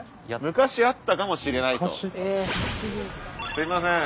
すいません。